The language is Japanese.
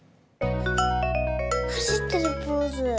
はしってるポーズ。